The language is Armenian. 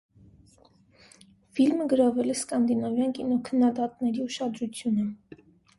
Ֆիլմը գրավել է սկանդինավյան կինոքննադատների ուշադրությունը։